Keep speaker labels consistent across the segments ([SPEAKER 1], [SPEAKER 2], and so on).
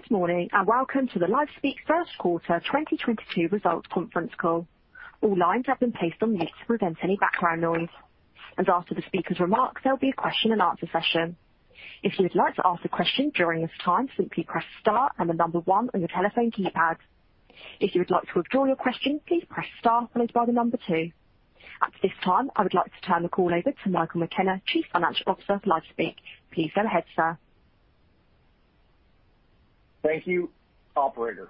[SPEAKER 1] Good morning, and welcome to the LifeSpeak first quarter 2022 results conference call. All lines have been placed on mute to prevent any background noise. After the speaker's remarks, there'll be a question and answer session. If you would like to ask a question during this time, simply press Star and the number 1 on your telephone keypad. If you would like to withdraw your question, please press Star followed by the number 2. At this time, I would like to turn the call over to Michael McKenna, Chief Financial Officer of LifeSpeak. Please go ahead, sir.
[SPEAKER 2] Thank you, operator,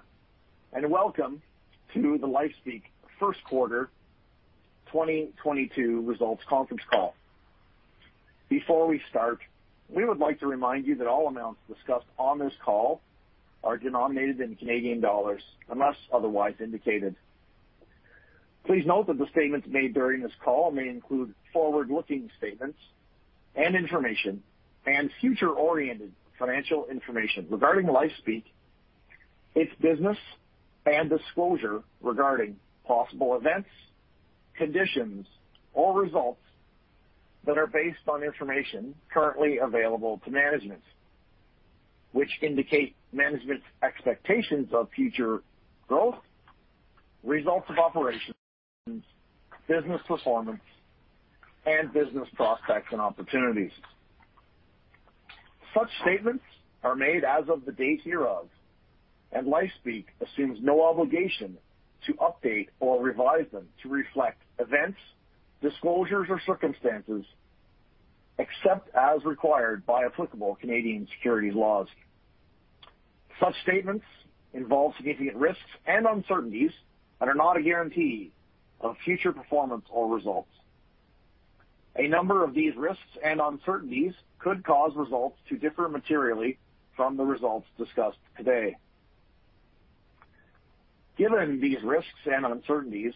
[SPEAKER 2] and welcome to the LifeSpeak first quarter 2022 results conference call. Before we start, we would like to remind you that all amounts discussed on this call are denominated in Canadian dollars unless otherwise indicated. Please note that the statements made during this call may include forward-looking statements and information and future-oriented financial information regarding LifeSpeak, its business, and disclosure regarding possible events, conditions or results that are based on information currently available to management, which indicate management's expectations of future growth, results of operations, business performance, and business prospects and opportunities. Such statements are made as of the date hereof, and LifeSpeak assumes no obligation to update or revise them to reflect events, disclosures or circumstances, except as required by applicable Canadian securities laws. Such statements involve significant risks and uncertainties that are not a guarantee of future performance or results. A number of these risks and uncertainties could cause results to differ materially from the results discussed today. Given these risks and uncertainties,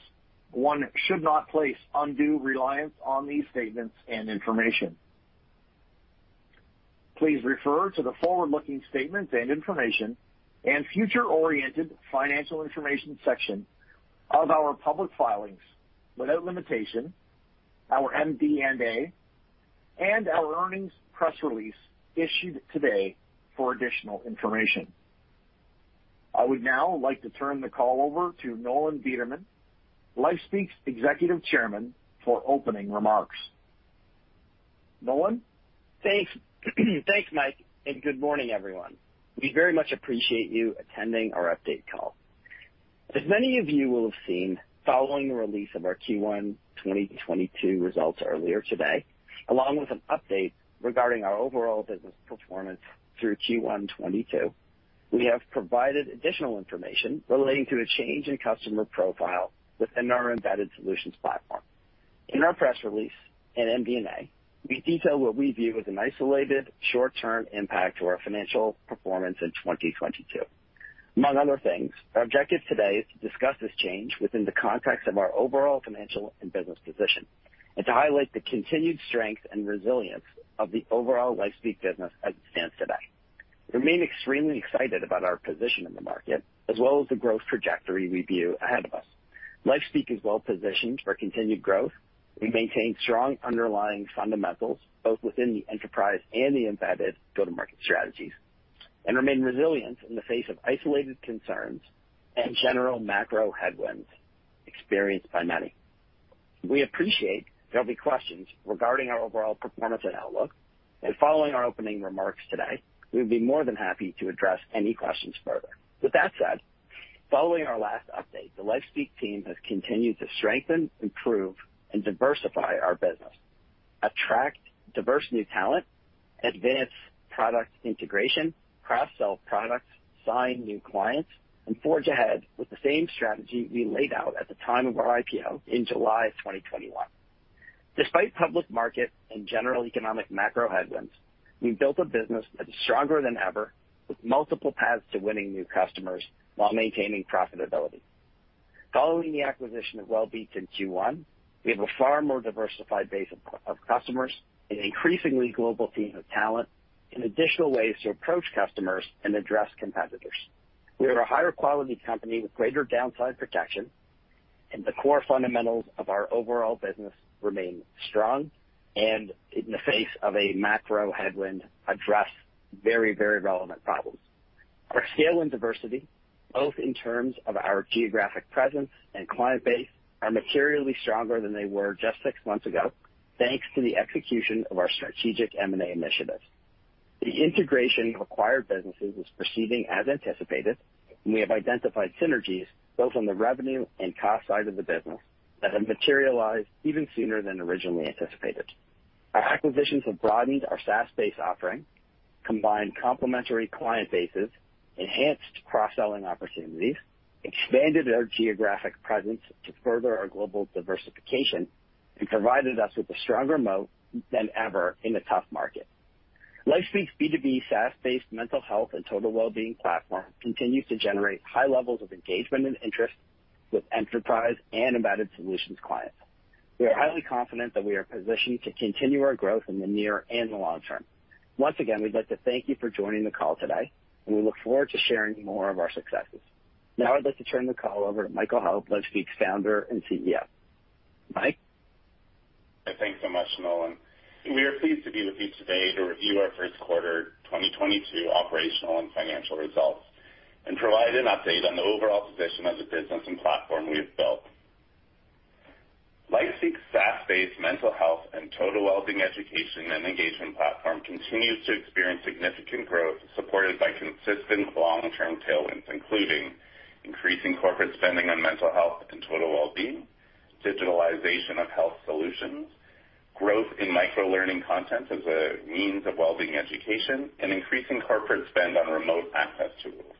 [SPEAKER 2] one should not place undue reliance on these statements and information. Please refer to the forward-looking statements and information and future-oriented financial information section of our public filings, without limitation, our MD&A, and our earnings press release issued today for additional information. I would now like to turn the call over to Nolan Bederman, LifeSpeak's Executive Chairman, for opening remarks. Nolan?
[SPEAKER 3] Thanks. Thanks, Mike, and good morning, everyone. We very much appreciate you attending our update call. As many of you will have seen, following the release of our Q1 2022 results earlier today, along with an update regarding our overall business performance through Q1 2022, we have provided additional information relating to a change in customer profile within our embedded solutions platform. In our press release and MD&A, we detail what we view as an isolated short-term impact to our financial performance in 2022. Among other things, our objective today is to discuss this change within the context of our overall financial and business position and to highlight the continued strength and resilience of the overall LifeSpeak business as it stands today. We remain extremely excited about our position in the market as well as the growth trajectory we view ahead of us. LifeSpeak is well positioned for continued growth. We maintain strong underlying fundamentals, both within the enterprise and the embedded go-to-market strategies, and remain resilient in the face of isolated concerns and general macro headwinds experienced by many. We appreciate there'll be questions regarding our overall performance and outlook. Following our opening remarks today, we would be more than happy to address any questions further. With that said, following our last update, the LifeSpeak team has continued to strengthen, improve, and diversify our business, attract diverse new talent, advance product integration, cross-sell products, sign new clients, and forge ahead with the same strategy we laid out at the time of our IPO in July 2021. Despite public market and general economic macro headwinds, we've built a business that is stronger than ever, with multiple paths to winning new customers while maintaining profitability. Following the acquisition of Wellbeats in Q1, we have a far more diversified base of customers, an increasingly global team of talent, and additional ways to approach customers and address competitors. We are a higher quality company with greater downside protection, and the core fundamentals of our overall business remain strong and, in the face of a macro headwind, address very, very relevant problems. Our scale and diversity, both in terms of our geographic presence and client base, are materially stronger than they were just six months ago, thanks to the execution of our strategic M&A initiatives. The integration of acquired businesses is proceeding as anticipated, and we have identified synergies both on the revenue and cost side of the business that have materialized even sooner than originally anticipated. Our acquisitions have broadened our SaaS-based offering, combined complementary client bases, enhanced cross-selling opportunities, expanded our geographic presence to further our global diversification, and provided us with a stronger moat than ever in a tough market. LifeSpeak's B2B SaaS-based mental health and total wellbeing platform continues to generate high levels of engagement and interest with enterprise and embedded solutions clients. We are highly confident that we are positioned to continue our growth in the near and the long term. Once again, we'd like to thank you for joining the call today, and we look forward to sharing more of our successes. Now I'd like to turn the call over to Michael Held, LifeSpeak's Founder and CEO. Mike?
[SPEAKER 4] Thanks so much, Nolan. We are pleased to be with you today to review our first quarter 2022 operational and financial results and provide an update on the overall position of the business and platform we have built. LifeSpeak's SaaS-based mental health and total wellbeing education and engagement platform continues to experience significant growth, supported by consistent long-term tailwinds, including increasing corporate spending on mental health and total wellbeing, digitalization of health solutions, growth in micro-learning content as a means of wellbeing education, and increasing corporate spend on remote access tools.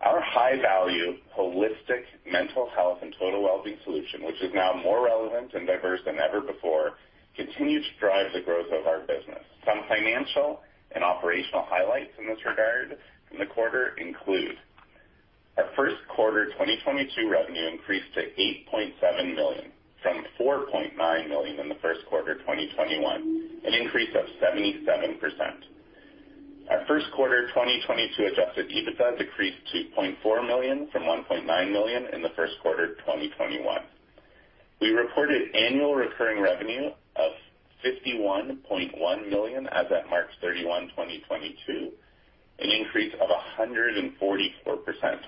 [SPEAKER 4] Our high-value holistic mental health and total wellbeing solution, which is now more relevant and diverse than ever before, continues to drive the growth of our business. Some financial and operational highlights in this regard from the quarter include our first quarter 2022 revenue increased to 8.7 million, from 4.9 million in the first quarter of 2021, an increase of 77%. Our first quarter 2022 Adjusted EBITDA decreased to 0.4 million from 1.9 million in the first quarter of 2021. We reported annual recurring revenue of 51.1 million as at March 31, 2022, an increase of 144%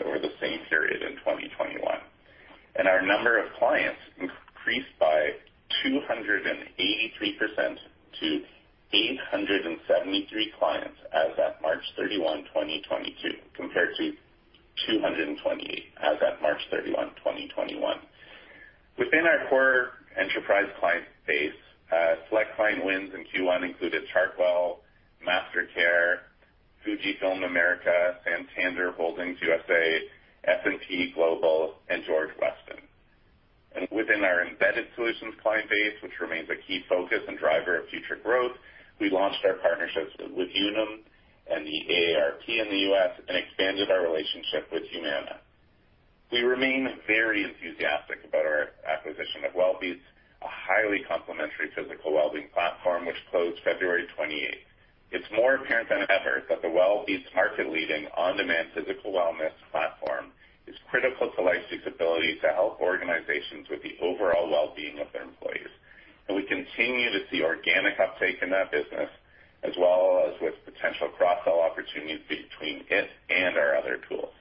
[SPEAKER 4] over the same period in 2021. Our number of clients increased by 283% to 873 clients as at March 31, 2022, compared to 228 as at March 31, 2021. Within our core enterprise client base, select client wins in Q1 included Chartwell Master Care, FUJI America, Santander Holdings USA, S&P Global, and George Weston. Within our embedded solutions client base, which remains a key focus and driver of future growth, we launched our partnerships with Unum and the AARP in the US and expanded our relationship with Humana. We remain very enthusiastic about our acquisition of Wellbeats, a highly complementary physical wellbeing platform which closed February 28. It's more apparent than ever that the Wellbeats market-leading on-demand physical wellness platform is critical to LifeSpeak's ability to help organizations with the overall wellbeing of their employees. We continue to see organic uptake in that business, as well as with potential cross-sell opportunities between it and our other tools.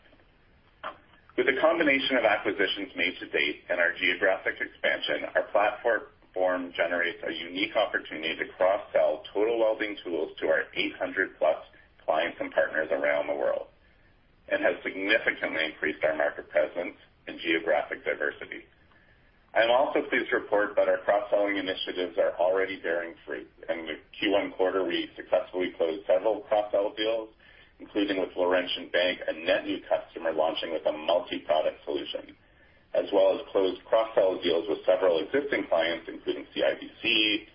[SPEAKER 4] With the combination of acquisitions made to date and our geographic expansion, our platform generates a unique opportunity to cross-sell total wellbeing tools to our 800+ clients and partners around the world, and has significantly increased our market presence and geographic diversity. I am also pleased to report that our cross-selling initiatives are already bearing fruit. In the Q1 quarter, we successfully closed several cross-sell deals, including with Laurentian Bank, a net new customer launching with a multi-product solution, as well as closed cross-sell deals with several existing clients, including CIBC,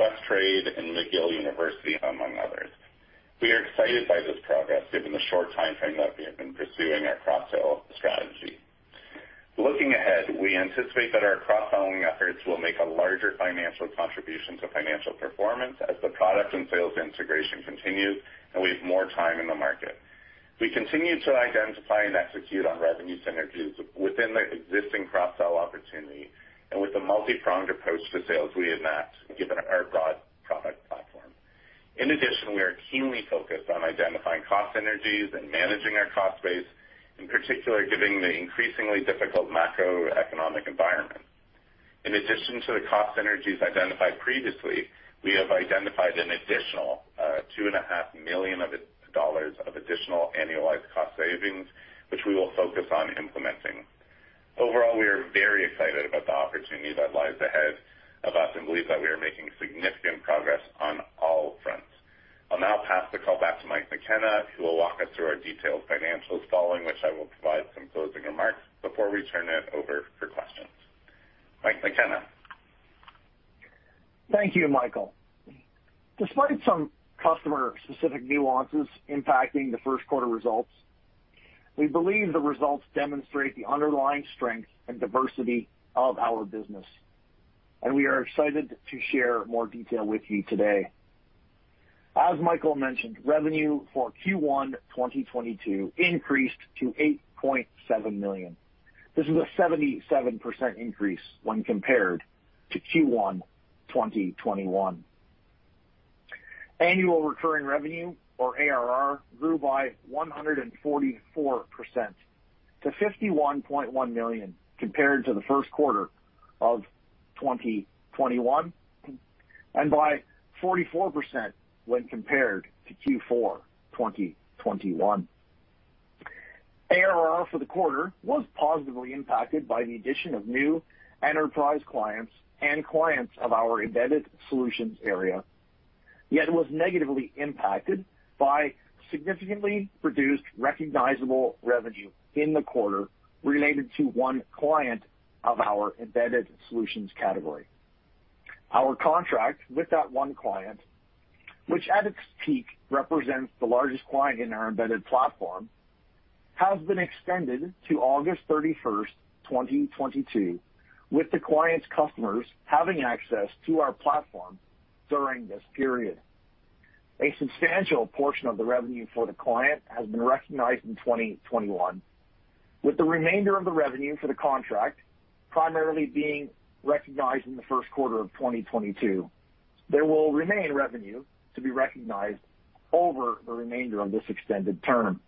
[SPEAKER 4] Questrade, and McGill University, among others. We are excited by this progress given the short timeframe that we have been pursuing our cross-sell strategy. Looking ahead, we anticipate that our cross-selling efforts will make a larger financial contribution to financial performance as the product and sales integration continues and we have more time in the market. We continue to identify and execute on revenue synergies within the existing cross-sell opportunity and with the multi-pronged approach to sales we enact given our broad product platform. In addition, we are keenly focused on identifying cost synergies and managing our cost base, in particular given the increasingly difficult macroeconomic environment. In addition to the cost synergies identified previously, we have identified an additional two and a half million dollars of additional annualized cost savings, which we will focus on implementing. Overall, we are very excited about the opportunity that lies ahead of us and believe that we are making significant progress on all fronts. I'll now pass the call back to Mike McKenna, who will walk us through our detailed financials, following which I will provide some closing remarks before we turn it over for questions. Mike McKenna.
[SPEAKER 2] Thank you, Michael. Despite some customer-specific nuances impacting the first quarter results, we believe the results demonstrate the underlying strength and diversity of our business, and we are excited to share more detail with you today. As Michael mentioned, revenue for Q1 2022 increased to 8.7 million. This is a 77% increase when compared to Q1 2021. Annual recurring revenue, or ARR, grew by 144% to 51.1 million compared to the first quarter of 2021, and by 44% when compared to Q4 2021. ARR for the quarter was positively impacted by the addition of new enterprise clients and clients of our embedded solutions area, yet was negatively impacted by significantly reduced recognizable revenue in the quarter related to one client of our embedded solutions category. Our contract with that one client, which at its peak represents the largest client in our embedded platform, has been extended to August 31, 2022, with the client's customers having access to our platform during this period. A substantial portion of the revenue for the client has been recognized in 2021, with the remainder of the revenue for the contract primarily being recognized in the first quarter of 2022. There will remain revenue to be recognized over the remainder of this extended term.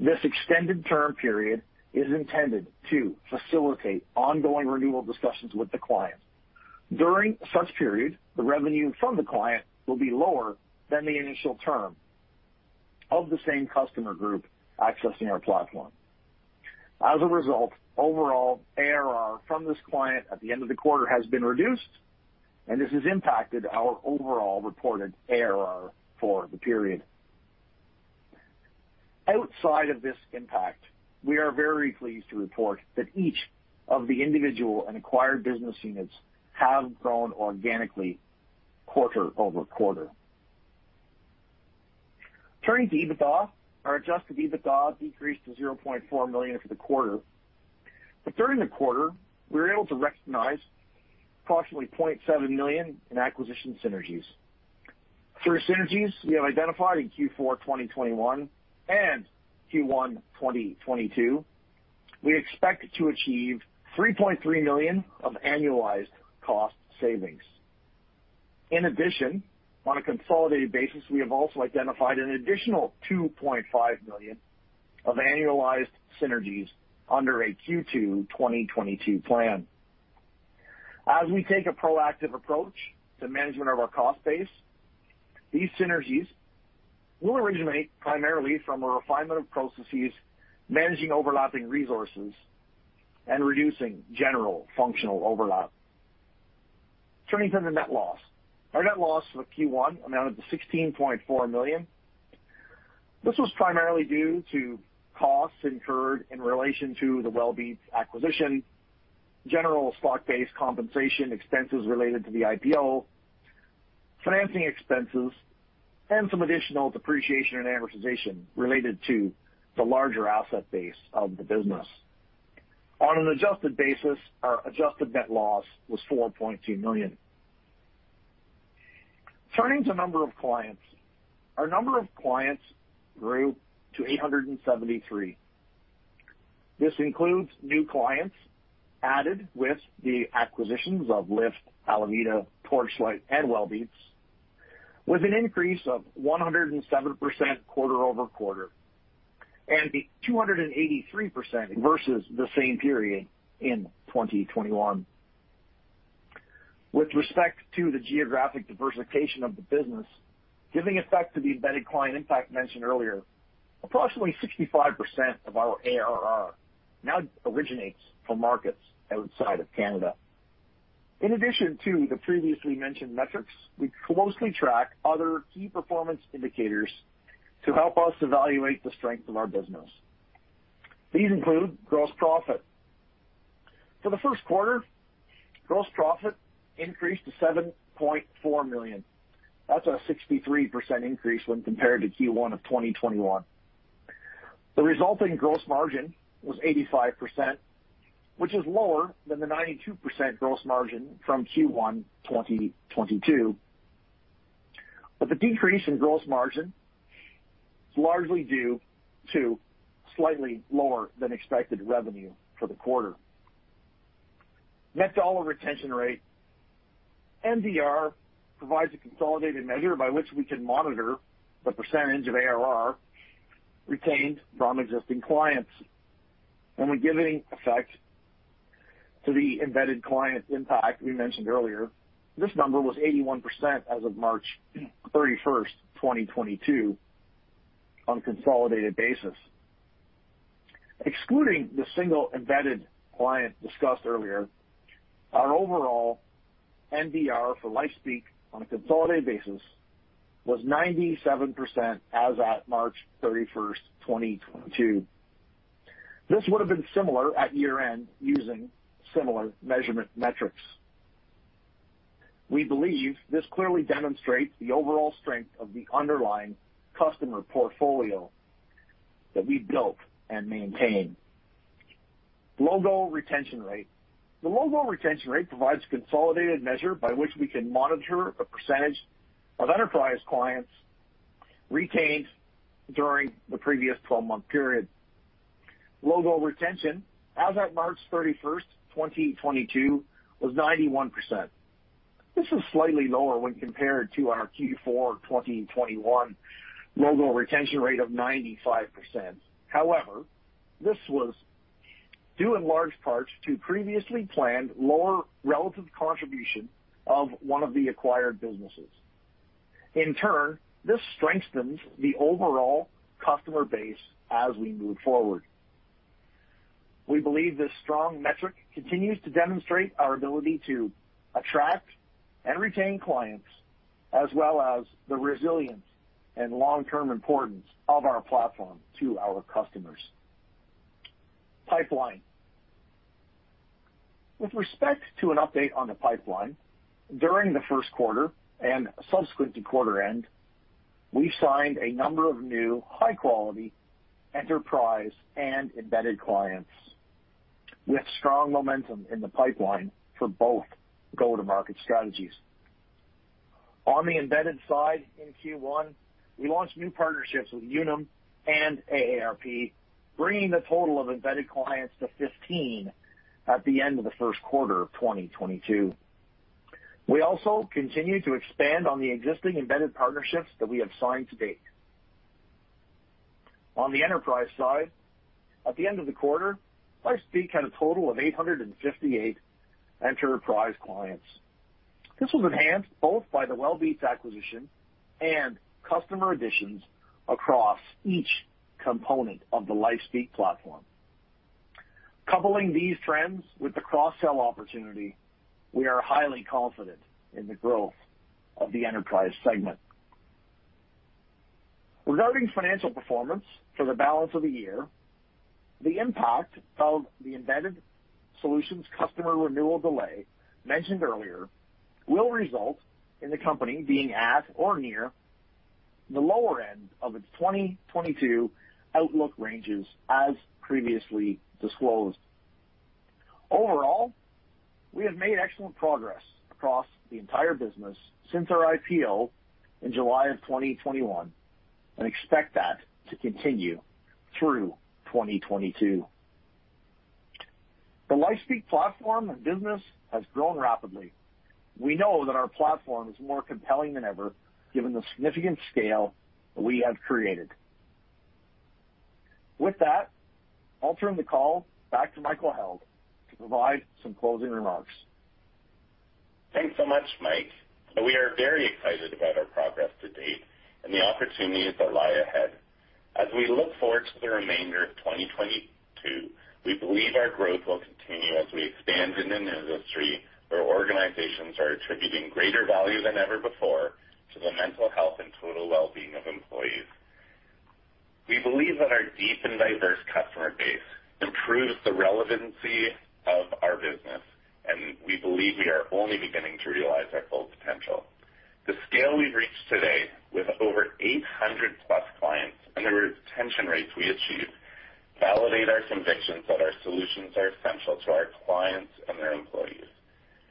[SPEAKER 2] This extended term period is intended to facilitate ongoing renewal discussions with the client. During such period, the revenue from the client will be lower than the initial term of the same customer group accessing our platform. As a result, overall ARR from this client at the end of the quarter has been reduced, and this has impacted our overall reported ARR for the period. Outside of this impact, we are very pleased to report that each of the individual and acquired business units have grown organically quarter over quarter. Turning to EBITDA, our Adjusted EBITDA decreased to 0.4 million for the quarter. During the quarter, we were able to recognize approximately 0.7 million in acquisition synergies. Through synergies we have identified in Q4 2021 and Q1 2022, we expect to achieve 3.3 million of annualized cost savings. In addition, on a consolidated basis, we have also identified an additional 2.5 million of annualized synergies under a Q2 2022 plan. As we take a proactive approach to management of our cost base, these synergies will originate primarily from a refinement of processes managing overlapping resources and reducing general functional overlap. Turning to the net loss. Our net loss for Q1 amounted to 16.4 million. This was primarily due to costs incurred in relation to the Wellbeats acquisition, general stock-based compensation expenses related to the IPO, financing expenses, and some additional depreciation and amortization related to the larger asset base of the business. On an adjusted basis, our adjusted net loss was 4.2 million. Turning to number of clients. Our number of clients grew to 873. This includes new clients added with the acquisitions of LIFT, ALAViDA, Torchlight, and Wellbeats, with an increase of 107% quarter-over-quarter and 283% versus the same period in 2021. With respect to the geographic diversification of the business, giving effect to the embedded client impact mentioned earlier, approximately 65% of our ARR now originates from markets outside of Canada. In addition to the previously mentioned metrics, we closely track other key performance indicators to help us evaluate the strength of our business. These include gross profit. For the first quarter, gross profit increased to 7.4 million. That's a 63% increase when compared to Q1 of 2021. The resulting gross margin was 85%, which is lower than the 92% gross margin from Q1 2021. The decrease in gross margin is largely due to slightly lower than expected revenue for the quarter. Net dollar retention rate. NDR provides a consolidated measure by which we can monitor the percentage of ARR retained from existing clients. When we give effect to the embedded client impact we mentioned earlier, this number was 81% as of March 31st, 2022 on a consolidated basis. Excluding the single embedded client discussed earlier, our overall NDR for LifeSpeak on a consolidated basis was 97% as at March 31st, 2022. This would have been similar at year-end using similar measurement metrics. We believe this clearly demonstrates the overall strength of the underlying customer portfolio that we built and maintain. Logo retention rate. The logo retention rate provides a consolidated measure by which we can monitor the percentage of enterprise clients retained during the previous 12-month period. Logo retention as at March 31st, 2022 was 91%. This is slightly lower when compared to our Q4 2021 logo retention rate of 95%. However, this was due in large part to previously planned lower relative contribution of one of the acquired businesses. In turn, this strengthens the overall customer base as we move forward. We believe this strong metric continues to demonstrate our ability to attract and retain clients as well as the resilience and long-term importance of our platform to our customers. Pipeline. With respect to an update on the pipeline, during the first quarter and subsequent to quarter end, we signed a number of new high-quality enterprise and embedded clients. We have strong momentum in the pipeline for both go-to-market strategies. On the embedded side, in Q1, we launched new partnerships with Unum and AARP, bringing the total of embedded clients to 15 at the end of the first quarter of 2022. We also continue to expand on the existing embedded partnerships that we have signed to date. On the enterprise side, at the end of the quarter, LifeSpeak had a total of 858 enterprise clients. This was enhanced both by the Wellbeats acquisition and customer additions across each component of the LifeSpeak platform. Coupling these trends with the cross-sell opportunity, we are highly confident in the growth of the enterprise segment. Regarding financial performance for the balance of the year, the impact of the embedded solutions customer renewal delay mentioned earlier will result in the company being at or near the lower end of its 2022 outlook ranges as previously disclosed. Overall, we have made excellent progress across the entire business since our IPO in July 2021 and expect that to continue through 2022. The LifeSpeak platform and business has grown rapidly. We know that our platform is more compelling than ever given the significant scale we have created. With that, I'll turn the call back to Michael Held to provide some closing remarks.
[SPEAKER 4] Thanks so much, Mike. We are very excited about our progress to date and the opportunities that lie ahead. As we look forward to the remainder of 2022, we believe our growth will continue as we expand in an industry where organizations are attributing greater value than ever before to the mental health and total well-being of employees. We believe that our deep and diverse customer base improves the relevancy of our business, and we believe we are only beginning to realize our full potential. The scale we've reached today with over 800+ clients and the retention rates we achieve validate our convictions that our solutions are essential to our clients and their employees.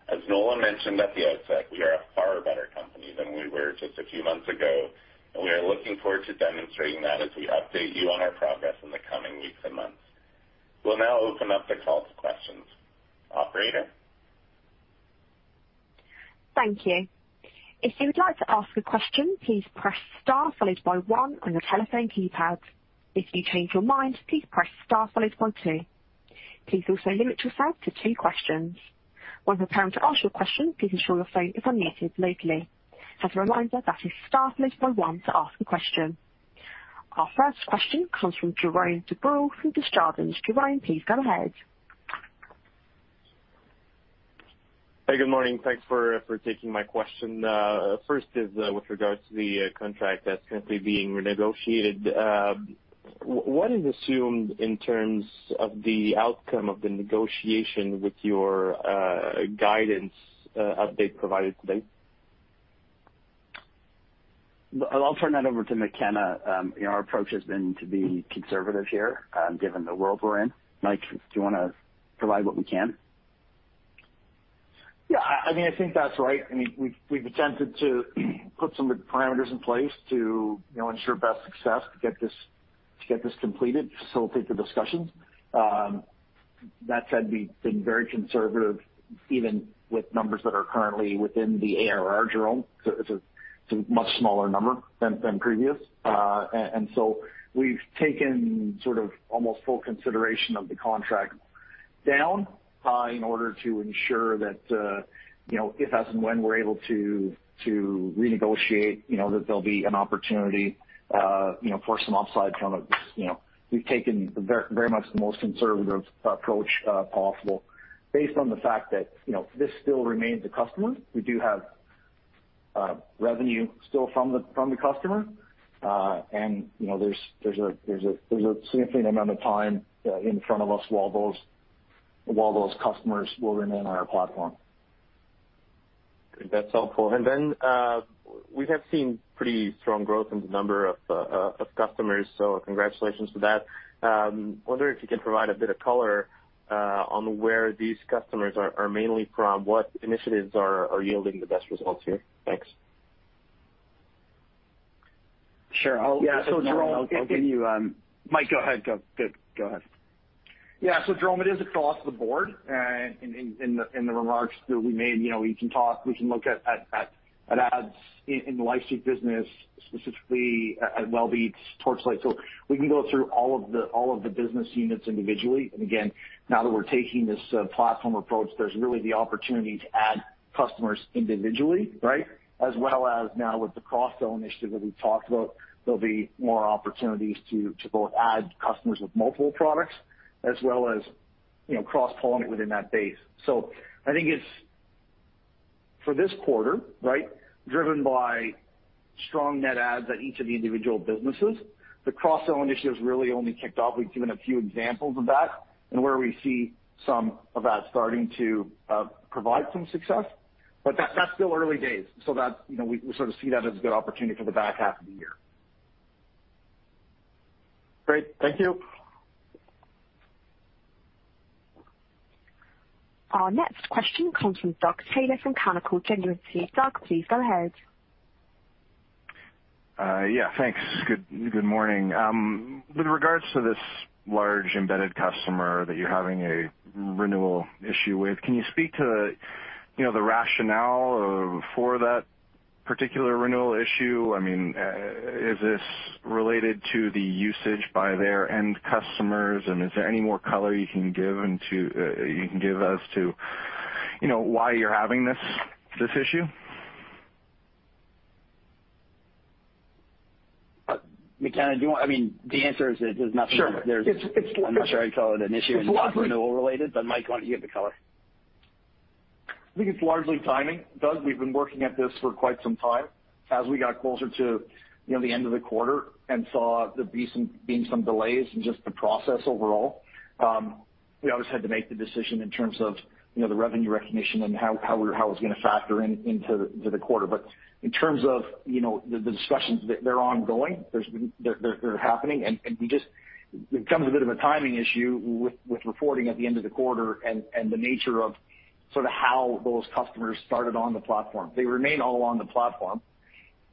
[SPEAKER 4] As Nolan mentioned at the outset, we are a far better company than we were just a few months ago, and we are looking forward to demonstrating that as we update you on our progress in the coming weeks and months. We'll now open up the call to questions. Operator?
[SPEAKER 1] Thank you. If you would like to ask a question, please press star followed by one on your telephone keypad. If you change your mind, please press star followed by two. Please also limit yourself to two questions. When preparing to ask your question, please ensure your phone is unmuted locally. As a reminder, that is star followed by one to ask a question. Our first question comes from Jérome Dubreuil from Desjardins. Jérome, please go ahead.
[SPEAKER 5] Hey, good morning. Thanks for taking my question. First is, with regards to the contract that's currently being renegotiated. What is assumed in terms of the outcome of the negotiation with your guidance update provided today?
[SPEAKER 3] I'll turn that over to McKenna. You know, our approach has been to be conservative here, given the world we're in. Mike, do you wanna provide what we can?
[SPEAKER 2] Yeah, I mean, I think that's right. I mean, we've attempted to put some of the parameters in place to, you know, ensure best success to get this completed, facilitate the discussions. That said, we've been very conservative, even with numbers that are currently within the ARR, Jérome. It's a much smaller number than previous. We've taken sort of almost full consideration of the contract down, in order to ensure that, you know, if, as and when we're able to renegotiate, you know, that there'll be an opportunity, you know, for some upside from it. You know, we've taken very much the most conservative approach, possible based on the fact that, you know, this still remains a customer. We do have revenue still from the customer, and you know, there's a significant amount of time in front of us while those customers will remain on our platform.
[SPEAKER 5] That's helpful. We have seen pretty strong growth in the number of customers, so congratulations for that. Wondering if you can provide a bit of color on where these customers are mainly from. What initiatives are yielding the best results here? Thanks.
[SPEAKER 3] Sure.
[SPEAKER 2] Yeah. Jérome-
[SPEAKER 3] I'll give you. Mike, go ahead.
[SPEAKER 2] Yeah. Jérome, it is across the board. In the remarks that we made, you know, we can talk, we can look at adds in the LifeSpeak business, specifically at Wellbeats, Torchlight. We can go through all of the business units individually. Again, now that we're taking this platform approach, there's really the opportunity to add customers individually, right? As well as now with the cross-sell initiative that we talked about, there'll be more opportunities to both add customers with multiple products as well as, you know, cross-selling within that base. I think it's for this quarter, right, driven by strong net adds at each of the individual businesses. The cross-sell initiative's really only kicked off. We've given a few examples of that and where we see some of that starting to provide some success. That's still early days, so that's, you know, we sort of see that as a good opportunity for the back half of the year.
[SPEAKER 5] Great. Thank you.
[SPEAKER 1] Our next question comes from Doug Taylor from Canaccord Genuity. Doug, please go ahead.
[SPEAKER 6] Yeah, thanks. Good morning. With regards to this large embedded customer that you're having a renewal issue with, can you speak to, you know, the rationale for that particular renewal issue? I mean, is this related to the usage by their end customers? Is there any more color you can give us, too, you know, why you're having this issue?
[SPEAKER 3] McKenna, I mean, the answer is that there's nothing.
[SPEAKER 6] Sure.
[SPEAKER 3] I'm not sure I'd call it an issue.
[SPEAKER 6] It's largely.
[SPEAKER 3] It's not renewal related, but Mike, why don't you give the color.
[SPEAKER 2] I think it's largely timing. Doug, we've been working at this for quite some time. As we got closer to, you know, the end of the quarter and saw there'd be some delays in just the process overall, we obviously had to make the decision in terms of, you know, the revenue recognition and how it was gonna factor in, into the quarter. In terms of, you know, the discussions they're happening. We just become a bit of a timing issue with reporting at the end of the quarter and the nature of sort of how those customers started on the platform. They remain all on the platform.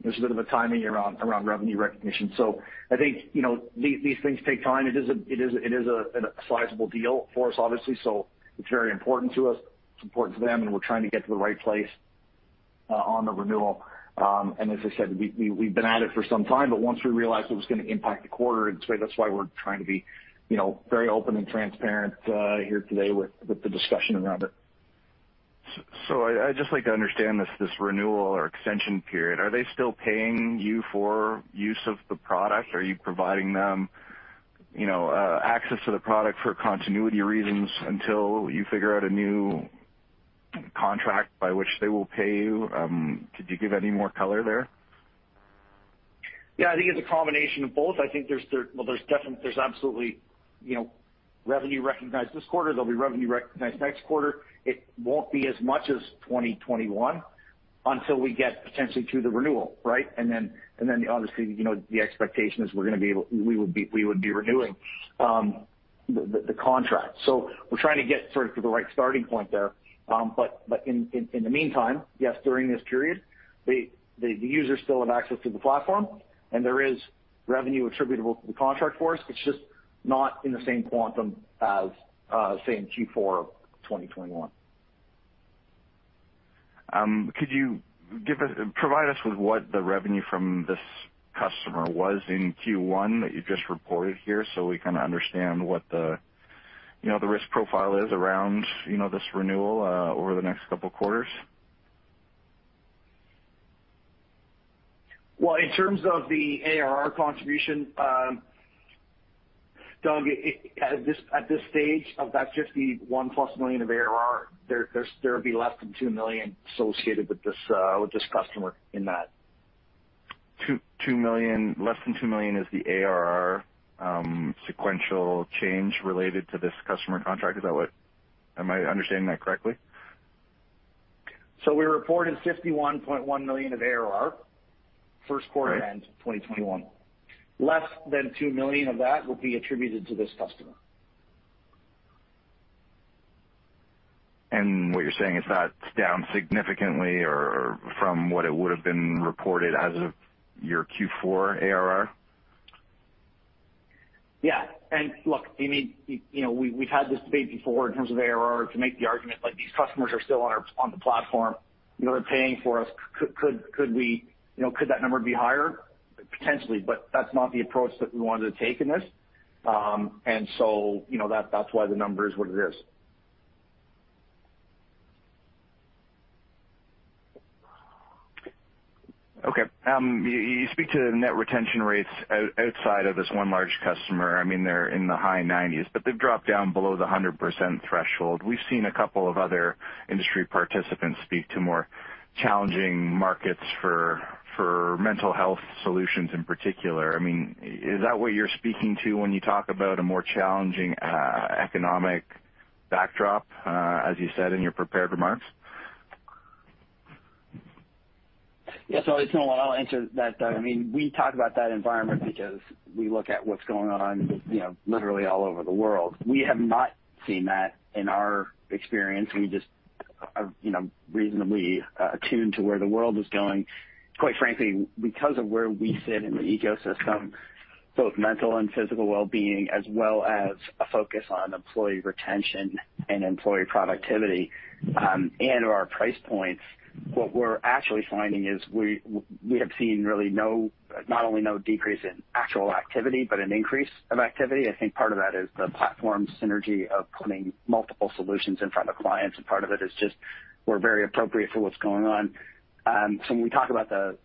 [SPEAKER 2] There's a bit of a timing around revenue recognition. I think, you know, these things take time. It is a sizable deal for us, obviously, so it's very important to us. It's important to them, and we're trying to get to the right place on the renewal. As I said, we've been at it for some time, but once we realized it was gonna impact the quarter, that's why we're trying to be, you know, very open and transparent here today with the discussion around it.
[SPEAKER 6] I'd just like to understand this renewal or extension period. Are they still paying you for use of the product? Are you providing them, you know, access to the product for continuity reasons until you figure out a new contract by which they will pay you? Could you give any more color there?
[SPEAKER 2] Yeah, I think it's a combination of both. I think there's absolutely, you know, revenue recognized this quarter. There'll be revenue recognized next quarter. It won't be as much as 2021 until we get potentially to the renewal, right? Then obviously, you know, the expectation is we would be renewing the contract. We're trying to get sort of to the right starting point there. But in the meantime, yes, during this period, the users still have access to the platform, and there is revenue attributable to the contract for us. It's just not in the same quantum as, say, in Q4 of 2021.
[SPEAKER 6] Could you provide us with what the revenue from this customer was in Q1 that you just reported here so we kinda understand what the, you know, the risk profile is around, you know, this renewal over the next couple quarters?
[SPEAKER 2] Well, in terms of the ARR contribution, Doug, at this stage of that 51+ million of ARR, there would be less than 2 million associated with this customer in that.
[SPEAKER 6] 2 million. Less than 2 million is the ARR sequential change related to this customer contract. Am I understanding that correctly?
[SPEAKER 2] We reported 51.1 million of ARR first quarter end-
[SPEAKER 6] Right.
[SPEAKER 2] 2021. Less than 2 million of that will be attributed to this customer.
[SPEAKER 6] What you're saying is that's down significantly from what it would have been reported as of your Q4 ARR?
[SPEAKER 2] Yeah. Look, I mean, you know, we've had this debate before in terms of ARR to make the argument like these customers are still on the platform. You know, they're paying for us. Could that number be higher? Potentially, but that's not the approach that we wanted to take in this. You know, that's why the number is what it is.
[SPEAKER 6] Okay. You speak to net retention rates outside of this one large customer. I mean, they're in the high 90s, but they've dropped down below the 100% threshold. We've seen a couple of other industry participants speak to more challenging markets for mental health solutions in particular. I mean, is that what you're speaking to when you talk about a more challenging economic backdrop, as you said in your prepared remarks?
[SPEAKER 3] It's Nolan. I'll answer that, Doug. I mean, we talk about that environment because we look at what's going on, you know, literally all over the world. We have not seen that in our experience. We just are, you know, reasonably attuned to where the world is going. Quite frankly, because of where we sit in the ecosystem, both mental and physical well-being, as well as a focus on employee retention and employee productivity, and our price points, what we're actually finding is we have seen really not only no decrease in actual activity, but an increase of activity. I think part of that is the platform synergy of putting multiple solutions in front of clients, and part of it is just we're very appropriate for what's going on. When we talk about the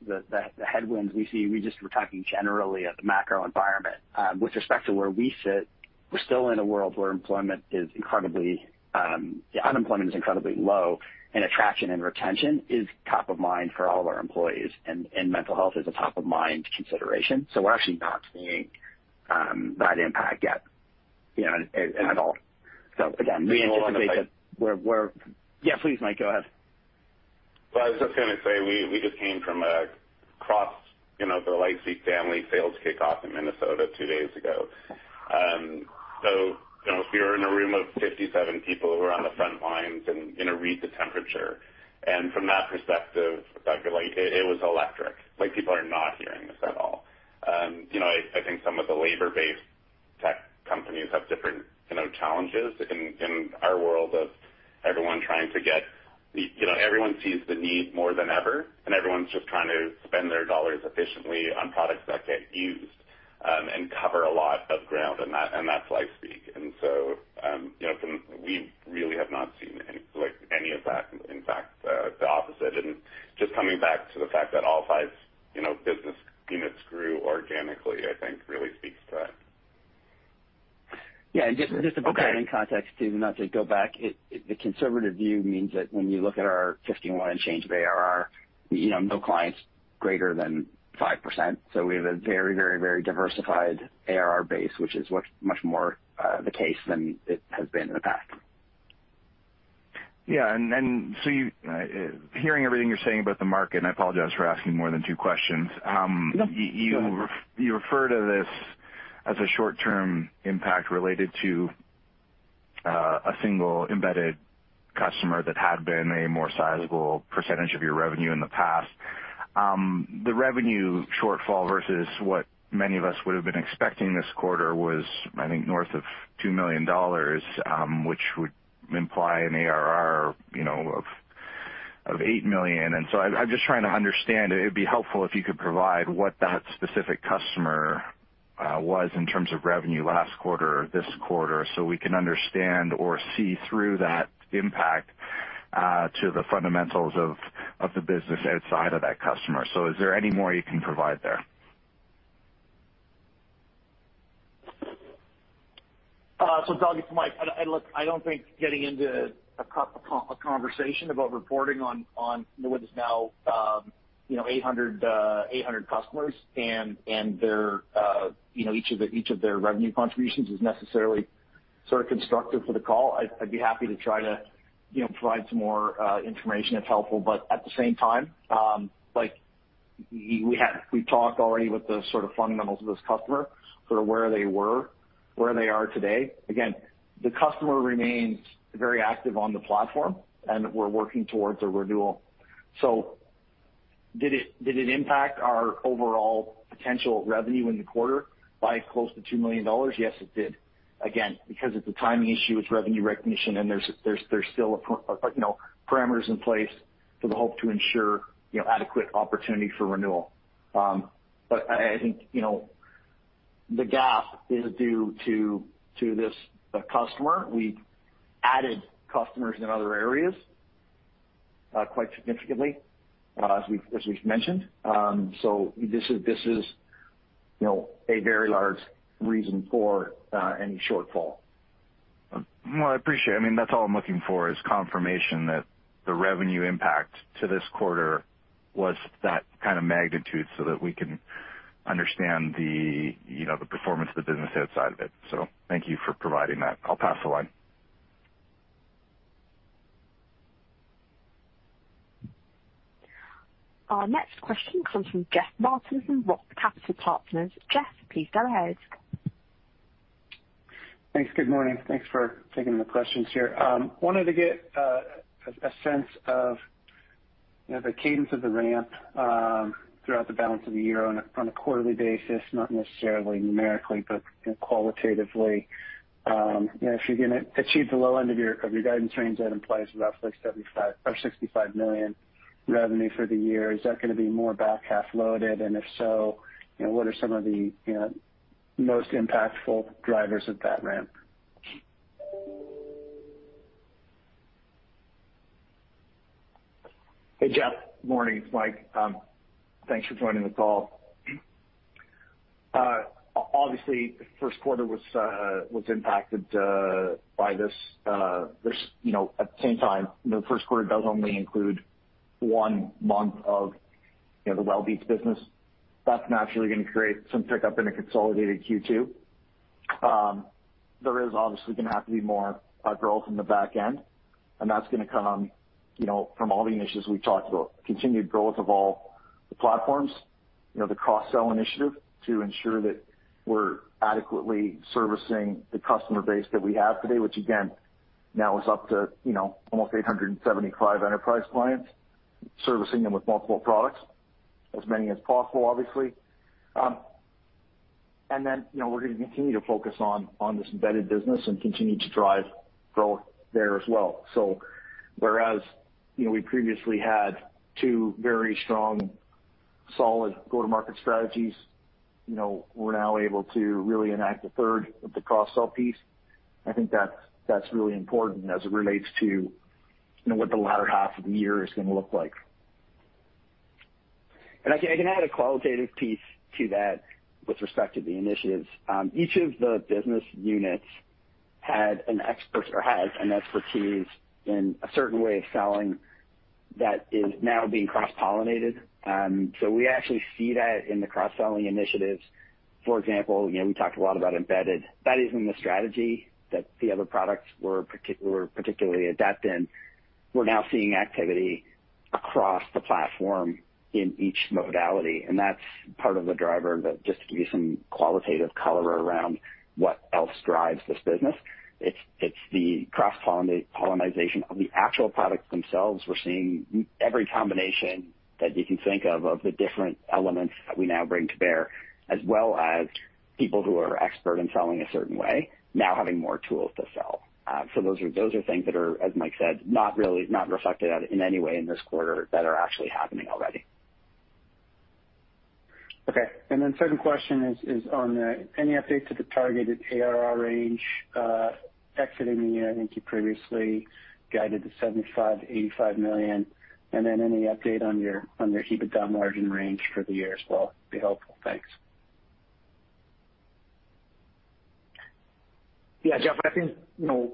[SPEAKER 3] headwinds we see, we just were talking generally about the macro environment. With respect to where we sit, we're still in a world where unemployment is incredibly low, and attraction and retention is top of mind for all of our employers, and mental health is a top-of-mind consideration. We're actually not seeing that impact yet, you know, at all. Again, we anticipate that we're
[SPEAKER 2] Yeah, please, Mike, go ahead.
[SPEAKER 4] Well, I was just gonna say we just came from across, you know, the LifeSpeak family sales kickoff in Minnesota two days ago. You know, we were in a room of 57 people who are on the front lines and gonna read the temperature. From that perspective, like, it was electric. Like, people are not hearing this at all. You know, I think some of the labor-based tech companies have different, you know, challenges in our world. You know, everyone sees the need more than ever, and everyone's just trying to spend their dollars efficiently on products that get used and cover a lot of ground, and that's LifeSpeak. You know, we really have not seen any of that, in fact, the opposite. Just coming back to the fact that all five, you know, business units grew organically, I think really speaks to that.
[SPEAKER 2] Yeah. Just to provide in context, Doug Taylor, not to go back. The conservative view means that when you look at our 51 and change of ARR, you know, no client's greater than 5%. We have a very diversified ARR base, which is what's much more the case than it has been in the past.
[SPEAKER 6] Hearing everything you're saying about the market, and I apologize for asking more than two questions.
[SPEAKER 2] No. Go ahead.
[SPEAKER 6] You refer to this as a short-term impact related to a single embedded customer that had been a more sizable percentage of your revenue in the past. The revenue shortfall versus what many of us would have been expecting this quarter was, I think, north of 2 million dollars, which would imply an ARR, you know, of 8 million. I'm just trying to understand. It'd be helpful if you could provide what that specific customer was in terms of revenue last quarter or this quarter, so we can understand or see through that impact to the fundamentals of the business outside of that customer. Is there any more you can provide there?
[SPEAKER 2] Doug, it's Mike. Look, I don't think getting into a conversation about reporting on what is now 800 customers and their revenue contributions is necessarily sort of constructive for the call. I'd be happy to try to provide some more information if helpful. At the same time, like, we've talked already with the sort of fundamentals of this customer, sort of where they were, where they are today. Again, the customer remains very active on the platform, and we're working towards a renewal. Did it impact our overall potential revenue in the quarter by close to 2 million dollars? Yes, it did. Again, because it's a timing issue, it's revenue recognition, and there's still parameters in place to help ensure, you know, adequate opportunity for renewal. I think, you know, the gap is due to this customer. We added customers in other areas quite significantly, as we've mentioned. This is, you know, a very large reason for any shortfall.
[SPEAKER 6] Well, I appreciate it. I mean, that's all I'm looking for is confirmation that the revenue impact to this quarter was that kind of magnitude so that we can understand the, you know, the performance of the business outside of it. So thank you for providing that. I'll pass the line.
[SPEAKER 1] Our next question comes from Jeff Martin from Roth Capital Partners. Jeff, please go ahead.
[SPEAKER 7] Thanks. Good morning. Thanks for taking the questions here. Wanted to get a sense of, you know, the cadence of the ramp throughout the balance of the year on a quarterly basis, not necessarily numerically, but, you know, qualitatively. You know, if you're gonna achieve the low end of your company guidance range, that implies roughly 75 million or 65 million revenue for the year. Is that gonna be more back half loaded? If so, you know, what are some of the, you know, most impactful drivers of that ramp?
[SPEAKER 2] Hey, Jeff. Morning. It's Mike. Thanks for joining the call. Obviously, first quarter was impacted by this, you know, at the same time, the first quarter does only include one month of, you know, the Wellbeats business. That's naturally gonna create some pickup in a consolidated Q2. There is obviously gonna have to be more growth in the back end, and that's gonna come, you know, from all the initiatives we've talked about. Continued growth of all the platforms. You know, the cross-sell initiative to ensure that we're adequately servicing the customer base that we have today, which again, now is up to, you know, almost 875 enterprise clients, servicing them with multiple products, as many as possible, obviously. you know, we're gonna continue to focus on this embedded business and continue to drive growth there as well. Whereas, you know, we previously had two very strong, solid go-to-market strategies, you know, we're now able to really enact a third with the cross-sell piece. I think that's really important as it relates to, you know, what the latter half of the year is gonna look like. I can add a qualitative piece to that with respect to the initiatives. Each of the business units had an expert or has an expertise in a certain way of selling that is now being cross-pollinated. We actually see that in the cross-selling initiatives.
[SPEAKER 3] For example, you know, we talked a lot about embedded. That isn't the strategy that the other products were particularly adept in. We're now seeing activity across the platform in each modality, and that's part of the driver. Just to give you some qualitative color around what else drives this business, it's the cross-pollination of the actual products themselves. We're seeing every combination that you can think of the different elements that we now bring to bear, as well as people who are expert in selling a certain way now having more tools to sell. Those are things that are, as Mike said, not really reflected in any way in this quarter that are actually happening already.
[SPEAKER 7] Okay. Second question is there any update to the targeted ARR range exiting the year? I think you previously guided to 75 million-85 million. Any update on your EBITDA margin range for the year as well would be helpful. Thanks.
[SPEAKER 2] Yeah, Jeff, I think, you know,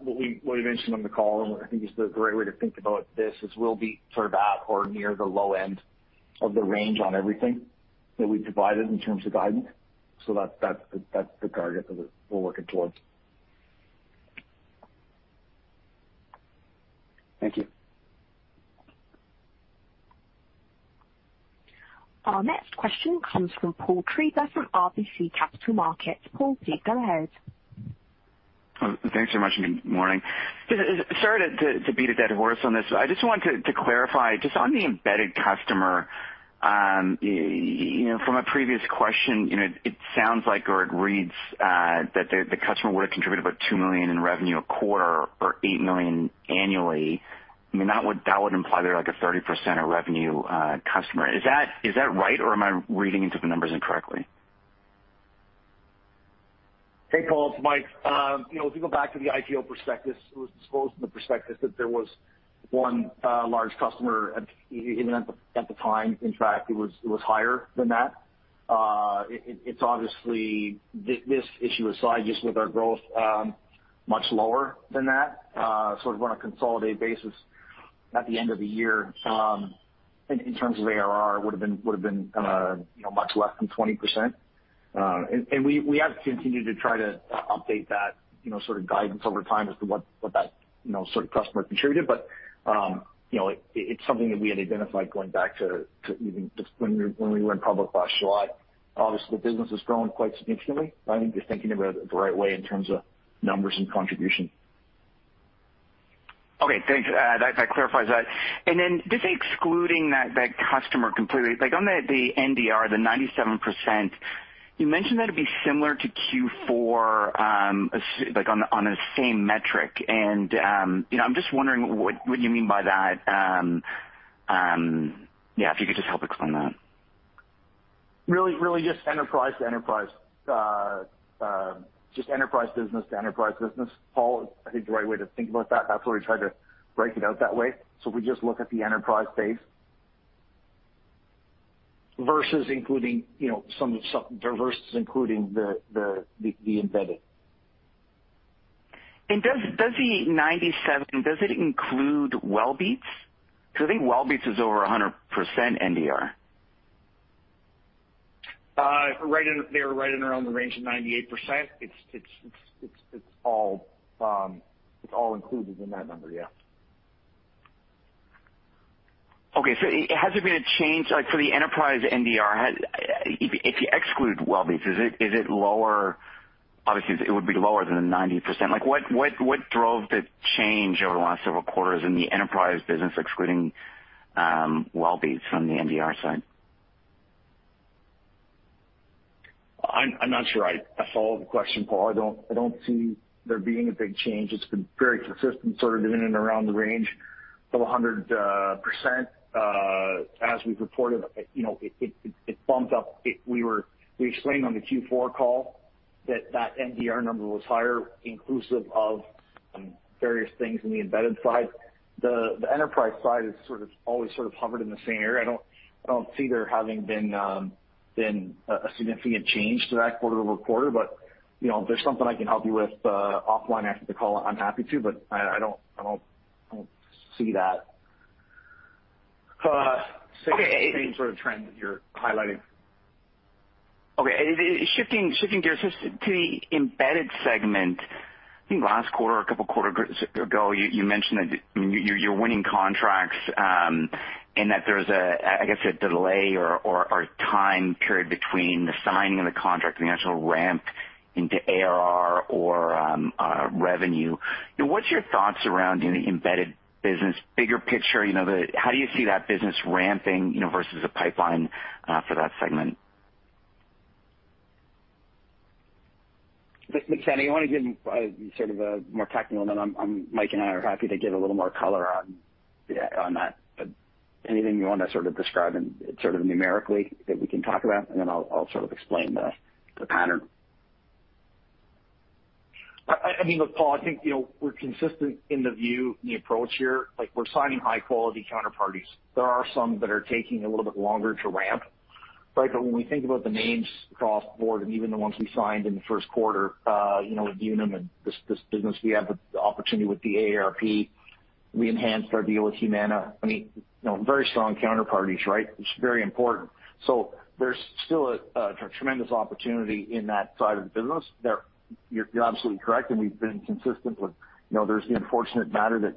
[SPEAKER 2] what we mentioned on the call, and what I think is the great way to think about this is we'll be sort of at or near the low end of the range on everything that we've provided in terms of guidance. That's the target that we're working towards.
[SPEAKER 7] Thank you.
[SPEAKER 1] Our next question comes from Paul Treiber from RBC Capital Markets. Paul Treiber, go ahead.
[SPEAKER 8] Thanks so much, and good morning. Just sorry to beat a dead horse on this, but I just wanted to clarify just on the embedded customer, you know, from a previous question, you know, it sounds like or it reads that the customer would have contributed about 2 million in revenue a quarter or 8 million annually. I mean, that would imply they're like a 30% of revenue customer. Is that right, or am I reading into the numbers incorrectly?
[SPEAKER 2] Hey, Paul. It's Mike. You know, if you go back to the IPO prospectus, it was disclosed in the prospectus that there was one large customer. Even at the time, in fact, it was higher than that. It's obviously this issue aside, just with our growth, much lower than that. On a consolidated basis at the end of the year, in terms of ARR would've been, you know, much less than 20%. We have continued to try to update that, you know, sort of guidance over time as to what that, you know, sort of customer contributed. You know, it's something that we had identified going back to even just when we were in public last July. Obviously, the business has grown quite significantly. I think you're thinking about it the right way in terms of numbers and contribution.
[SPEAKER 8] Okay, thanks. That clarifies that. Then just excluding that customer completely, like on the NDR, the 97%, you mentioned that it'd be similar to Q4, like on the same metric. You know, I'm just wondering what you mean by that. Yeah, if you could just help explain that.
[SPEAKER 2] Really, really just enterprise to enterprise. Just enterprise business to enterprise business, Paul, I think the right way to think about that. That's why we tried to break it out that way. We just look at the enterprise base. Versus including, you know, some versus including the embedded.
[SPEAKER 8] Does the 97 include Wellbeats? 'Cause I think Wellbeats is over 100% NDR.
[SPEAKER 2] They're right in around the range of 98%. It's all included in that number, yeah.
[SPEAKER 8] Okay. Has there been a change, like for the enterprise NDR, if you exclude Wellbeats, is it lower? Obviously, it would be lower than the 90%. Like what drove the change over the last several quarters in the enterprise business excluding Wellbeats from the NDR side?
[SPEAKER 2] I'm not sure I follow the question, Paul. I don't see there being a big change. It's been very consistent, sort of in and around the range of 100%, as we've reported. You know, it bumped up. We explained on the Q4 call that that NDR number was higher inclusive of various things in the embedded side. The enterprise side is sort of always sort of hovered in the same area. I don't see there having been a significant change to that quarter-over-quarter. You know, if there's something I can help you with, offline after the call, I'm happy to, but I don't see that.
[SPEAKER 8] Okay.
[SPEAKER 2] Same sort of trend that you're highlighting.
[SPEAKER 8] Okay. Shifting gears just to the embedded segment. I think last quarter or a couple quarters ago, you mentioned that you're winning contracts, and that there's a, I guess, a delay or time period between the signing of the contract and the actual ramp into ARR or revenue. You know, what's your thoughts around in the embedded business bigger picture? You know, how do you see that business ramping, you know, versus the pipeline for that segment?
[SPEAKER 3] McKenna, you wanna give sort of a more technical? Mike and I are happy to give a little more color on that. Anything you wanna sort of describe in sort of numerically that we can talk about, and then I'll sort of explain the pattern.
[SPEAKER 2] I mean, look, Paul, I think, you know, we're consistent in the view and the approach here. Like we're signing high-quality counterparties. There are some that are taking a little bit longer to ramp, right? But when we think about the names across the board and even the ones we signed in the first quarter, you know, with Unum and this business, we have the opportunity with the AARP. We enhanced our deal with Humana. I mean, you know, very strong counterparties, right? It's very important. So there's still a tremendous opportunity in that side of the business. You're absolutely correct, and we've been consistent with, you know, there's the unfortunate matter that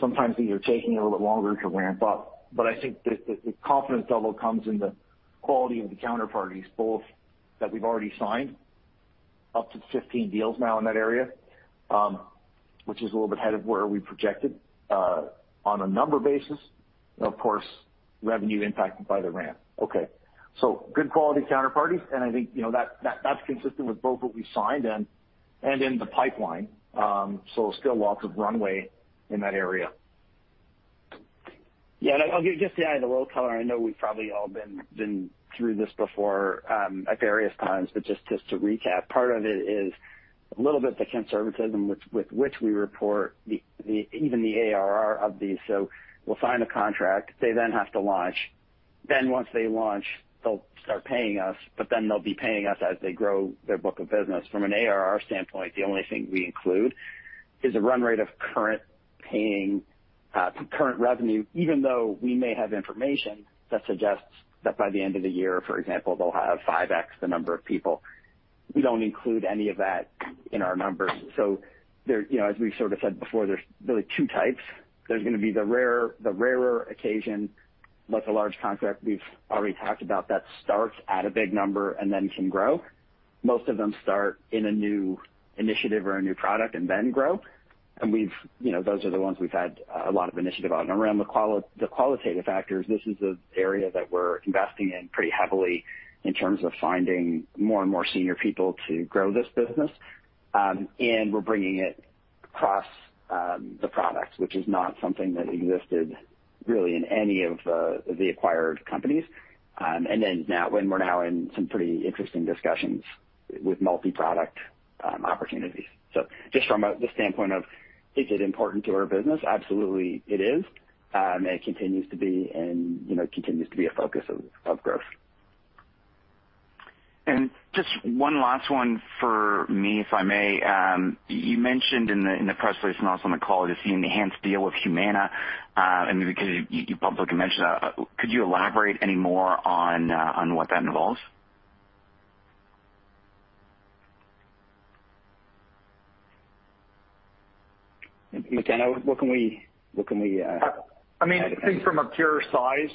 [SPEAKER 2] sometimes these are taking a little bit longer to ramp up. I think the confidence level comes in the quality of the counterparties, both that we've already signed up to 15 deals now in that area, which is a little bit ahead of where we projected on a number basis and of course, revenue impacted by the ramp. Okay. Good quality counterparties, and I think, you know, that's consistent with both what we've signed and in the pipeline. Still lots of runway in that area.
[SPEAKER 3] Yeah. I'll give just to add a little color. I know we've probably all been through this before at various times, but just to recap, part of it is a little bit the conservatism with which we report the ARR of these. So we'll sign a contract, they then have to launch. Then once they launch, they'll start paying us, but then they'll be paying us as they grow their book of business. From an ARR standpoint, the only thing we include is a run rate of current paying current revenue, even though we may have information that suggests that by the end of the year, for example, they'll have 5x the number of people. We don't include any of that in our numbers. So there you know, as we sort of said before, there's really two types. There's gonna be the rarer occasion, but the large contract we've already talked about that starts at a big number and then can grow. Most of them start in a new initiative or a new product and then grow. We've, you know, those are the ones we've had a lot of initiative on. Around the qualitative factors, this is an area that we're investing in pretty heavily in terms of finding more and more senior people to grow this business. We're bringing it across the products, which is not something that existed really in any of the acquired companies. We're now in some pretty interesting discussions with multi-product opportunities. Just from the standpoint of is it important to our business? Absolutely, it is. It continues to be, you know, a focus of growth.
[SPEAKER 8] Just one last one for me, if I may. You mentioned in the press release and also on the call, just the enhanced deal with Humana, and because you publicly mentioned that, could you elaborate any more on what that involves?
[SPEAKER 3] McKenna, what can we?
[SPEAKER 2] I mean, I think from a pure size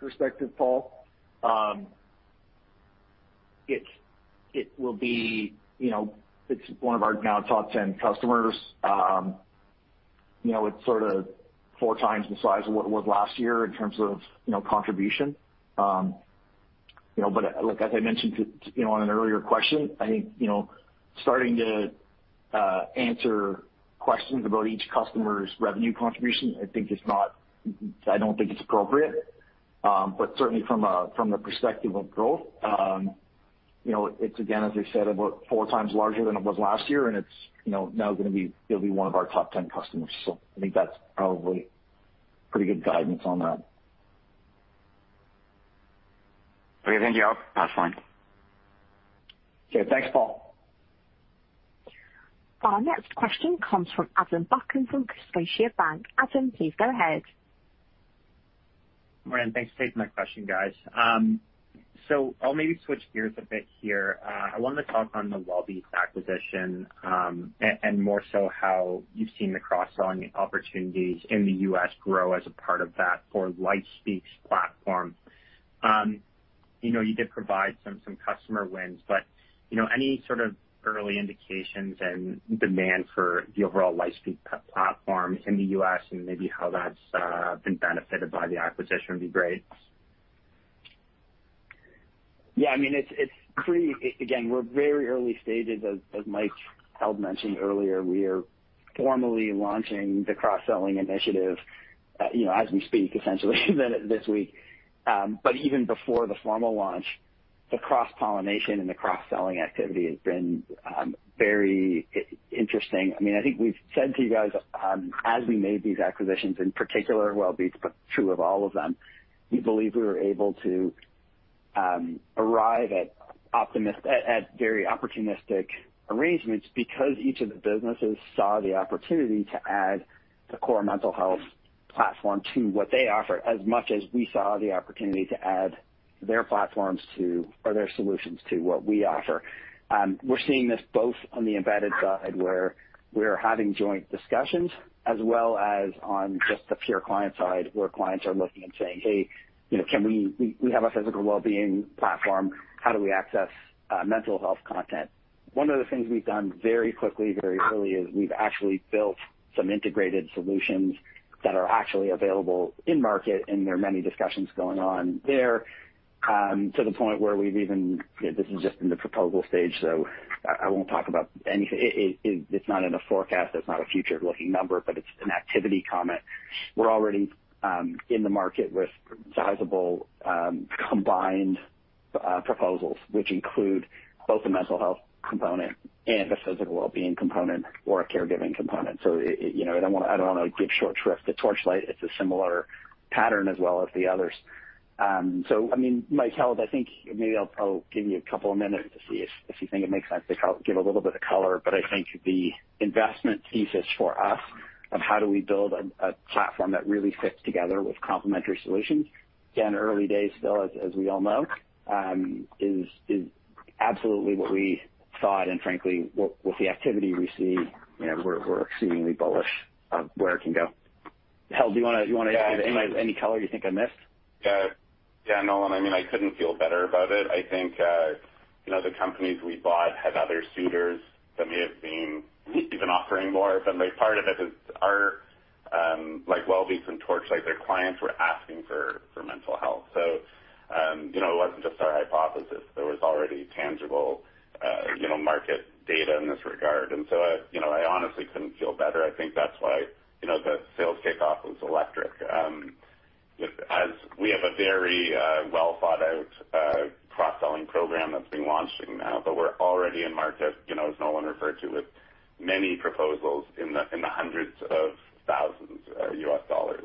[SPEAKER 2] perspective, Paul, it will be, you know, it's one of our now top 10 customers. You know, it's sort of 4 times the size of what it was last year in terms of, you know, contribution. You know, but like as I mentioned to, you know, on an earlier question, I think, you know, starting to answer questions about each customer's revenue contribution, I think it's not. I don't think it's appropriate. But certainly from the perspective of growth, you know, it's again, as I said, about 4 times larger than it was last year, and it's, you know, it'll be one of our top 10 customers. So I think that's probably pretty good guidance on that.
[SPEAKER 8] Okay. Thank you. That's fine.
[SPEAKER 2] Okay. Thanks, Paul.
[SPEAKER 1] Our next question comes from Adam Buckham from Scotiabank. Adam, please go ahead.
[SPEAKER 9] Morning. Thanks for taking my question, guys. I'll maybe switch gears a bit here. I wanted to talk on the Wellbeats acquisition, and more so how you've seen the cross-selling opportunities in the U.S. grow as a part of that for LifeSpeak's platform. You know, you did provide some customer wins, but, you know, any sort of early indications and demand for the overall LifeSpeak platform in the U.S. and maybe how that's been benefited by the acquisition would be great.
[SPEAKER 3] Yeah, I mean, it's pretty. Again, we're very early stages. As Michael Held mentioned earlier, we are formally launching the cross-selling initiative, you know, as we speak, essentially this week. Even before the formal launch, the cross-pollination and the cross-selling activity has been very interesting. I mean, I think we've said to you guys, as we made these acquisitions, in particular Wellbeats, but true of all of them, we believe we were able to arrive at very opportunistic arrangements because each of the businesses saw the opportunity to add the core mental health platform to what they offer, as much as we saw the opportunity to add their platforms to or their solutions to what we offer. We're seeing this both on the embedded side, where we're having joint discussions, as well as on just the pure client side, where clients are looking and saying, "Hey, you know, can we have a physical wellbeing platform? How do we access mental health content?" One of the things we've done very quickly, very early, is we've actually built some integrated solutions that are actually available in market, and there are many discussions going on there, to the point where we've even. This is just in the proposal stage, so I won't talk about any. It's not in a forecast, it's not a forward-looking number, but it's an activity comment. We're already in the market with sizable combined proposals, which include both the mental health component and the physical wellbeing component or a caregiving component. you know, I don't wanna give short shrift to Torchlight. It's a similar pattern as well as the others.
[SPEAKER 2] I mean, Michael Held, I think maybe I'll give you a couple of minutes to see if you think it makes sense to help give a little bit of color. I think the investment thesis for us of how do we build a platform that really fits together with complementary solutions, again, early days still, as we all know, is absolutely what we thought, and frankly, what with the activity we see, you know, we're exceedingly bullish on where it can go. Michael Held, do you wanna give any color you think I missed?
[SPEAKER 4] Yeah. Yeah, Nolan, I mean, I couldn't feel better about it. I think, you know, the companies we bought had other suitors that may have been even offering more, but like, part of it is our, like Wellbeats and Torchlight, their clients were asking for mental health. So, you know, it wasn't just our hypothesis. There was already tangible, you know, market data in this regard. I honestly couldn't feel better. I think that's why, you know, the sales kickoff was electric. As we have a very, well thought out, cross-selling program that's been launching now, but we're already in market, you know, as Nolan referred to, with many proposals in the hundreds of thousands of US dollars.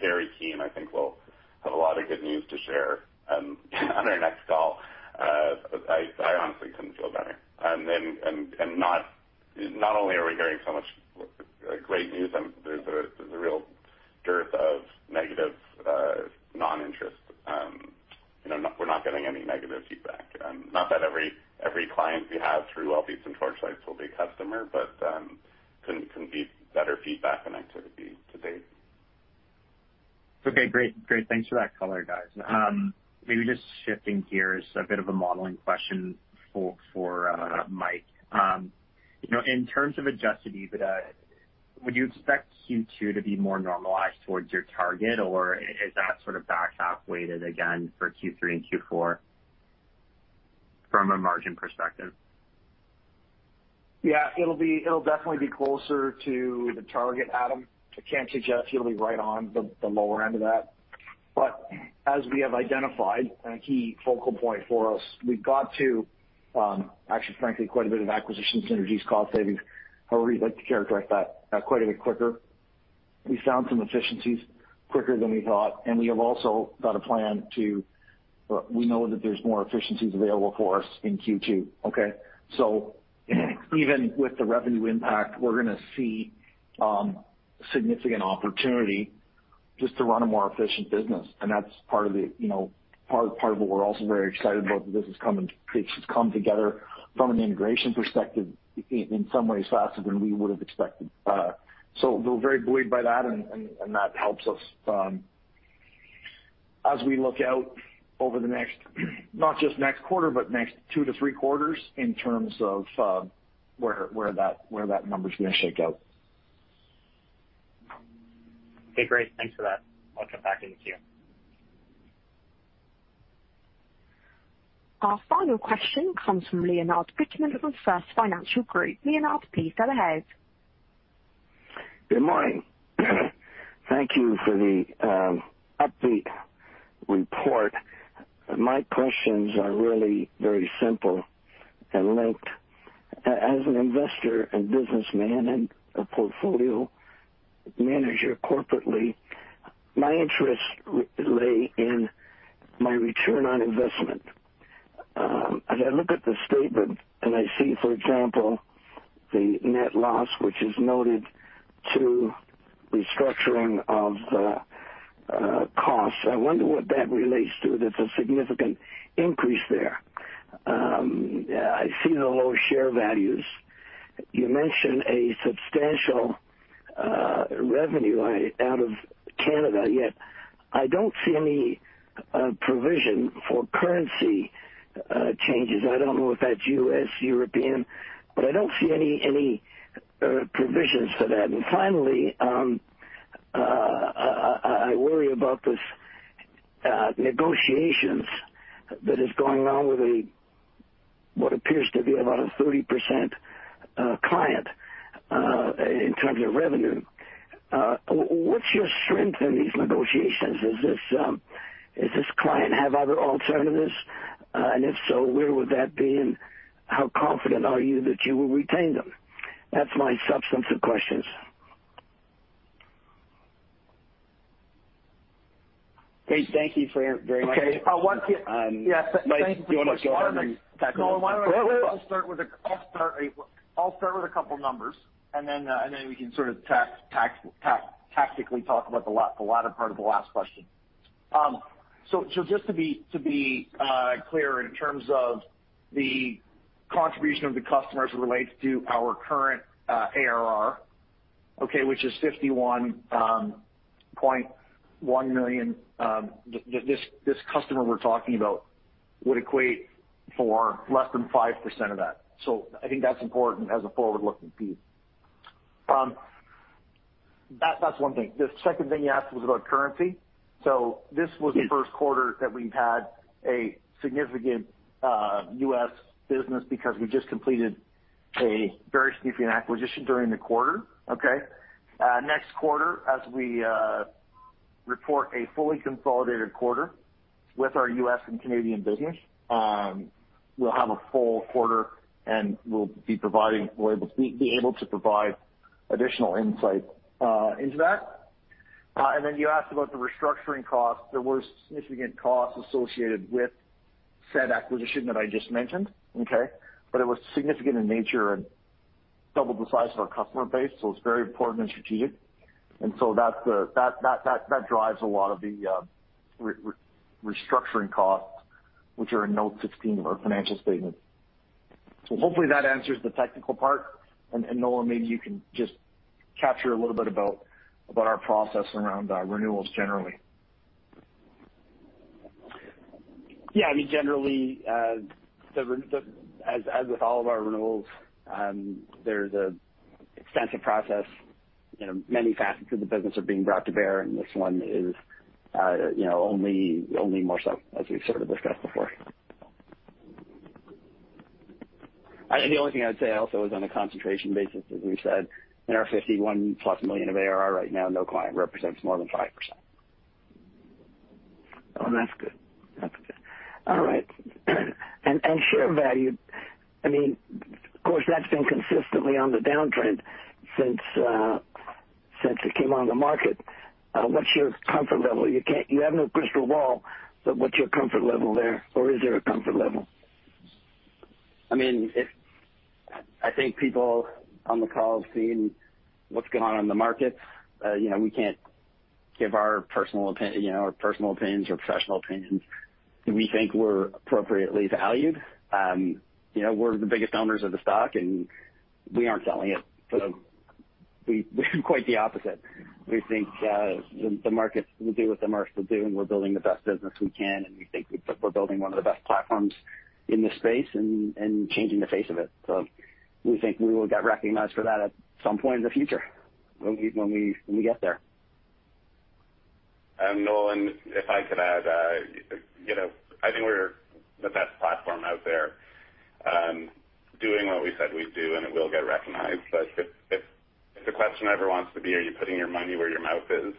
[SPEAKER 4] Very keen. I think we'll have a lot of good news to share on our next call. I honestly couldn't feel better. Not only are we hearing so much great news, there's a real dearth of negative non-interest. You know, we're not getting any negative feedback. Not that every client we have through Wellbeats and Torchlight will be a customer, but couldn't be better feedback and activity to date.
[SPEAKER 9] Okay, great. Thanks for that color, guys. Maybe just shifting gears, a bit of a modeling question for Mike. You know, in terms of Adjusted EBITDA, would you expect Q2 to be more normalized towards your target, or is that sort of back half weighted again for Q3 and Q4 from a margin perspective?
[SPEAKER 2] Yeah, it'll definitely be closer to the target, Adam. I can't suggest it'll be right on the lower end of that. As we have identified, and a key focal point for us, we've got to actually frankly quite a bit of acquisition synergies, cost savings, however you'd like to characterize that, quite a bit quicker. We found some efficiencies quicker than we thought, and we have also got a plan. We know that there's more efficiencies available for us in Q2, okay? Even with the revenue impact, we're gonna see significant opportunity just to run a more efficient business. That's part of what we're also very excited about, the business. It's just come together from an integration perspective in some ways faster than we would have expected. We're very buoyed by that and that helps us as we look out over the next, not just next quarter, but next 2-3 quarters in terms of where that number's gonna shake out.
[SPEAKER 9] Okay, great. Thanks for that. I'll jump back in the queue.
[SPEAKER 1] Our final question comes from Leonard Fischman from First Financial Group. Leonard, please go ahead.
[SPEAKER 10] Good morning. Thank you for the upbeat report. My questions are really very simple and linked. As an investor and businessman and a portfolio manager corporately, my interest really lies in my return on investment. As I look at the statement and I see, for example, the net loss, which is attributed to restructuring costs, I wonder what that relates to. That's a significant increase there. I see the low share values. You mentioned a substantial revenue out of Canada, yet I don't see any provision for currency changes. I don't know if that's US, European, but I don't see any provisions for that. Finally, I worry about this negotiations that is going on with what appears to be about a 30% client in terms of revenue. What's your strength in these negotiations? Does this client have other alternatives? If so, where would that be, and how confident are you that you will retain them? That's my substantive questions.
[SPEAKER 2] Great. Thank you very much.
[SPEAKER 4] Okay. I want to
[SPEAKER 2] Mike, do you wanna go ahead and tackle that?
[SPEAKER 4] Nolan, why don't I just start with a couple numbers, and then we can sort of tactically talk about the latter part of the last question. Just to be clear in terms of the contribution of the customer as it relates to our current ARR, okay, which is 51.1 million, this customer we're talking about would equate to less than 5% of that. I think that's important as a forward-looking piece. That's one thing. The second thing you asked was about currency. This was the first quarter that we've had a significant U.S. business because we just completed a very significant acquisition during the quarter, okay? Next quarter, as we report a fully consolidated quarter with our U.S. and Canadian business, we'll have a full quarter, and we'll be able to provide additional insight into that. You asked about the restructuring costs. There were significant costs associated with said acquisition that I just mentioned, okay. It was significant in nature and doubled the size of our customer base, so it's very important and strategic. That drives a lot of the restructuring costs, which are in note 16 of our financial statement. Hopefully that answers the technical part. Nolan, maybe you can just capture a little bit about our process around renewals generally.
[SPEAKER 3] Yeah, I mean, generally, as with all of our renewals, there's an extensive process. You know, many facets of the business are being brought to bear, and this one is, you know, only more so, as we've sort of discussed before. I think the only thing I'd say also is on a concentration basis, as we've said, in our 51+ million of ARR right now, no client represents more than 5%.
[SPEAKER 10] Oh, that's good. That's good. All right. Share value, I mean, of course, that's been consistently on the downtrend since it came on the market. What's your comfort level? You have no crystal ball, but what's your comfort level there? Or is there a comfort level?
[SPEAKER 3] I mean, I think people on the call have seen what's going on in the markets. You know, we can't give our personal opinions or professional opinions. We think we're appropriately valued. You know, we're the biggest owners of the stock, and we aren't selling it, so we quite the opposite. We think the markets will do what the markets will do, and we're building the best business we can, and we think we're building one of the best platforms in this space and changing the face of it. We think we will get recognized for that at some point in the future when we get there.
[SPEAKER 4] Nolan, if I could add, you know, I think we're the best platform out there, doing what we said we'd do, and it will get recognized. If the question ever wants to be are you putting your money where your mouth is,